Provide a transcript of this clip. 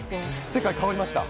世界変わりました？